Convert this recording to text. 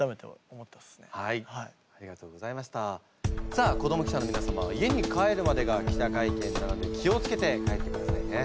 さあ子ども記者のみなさまは家に帰るまでが記者会見なので気を付けて帰ってくださいね。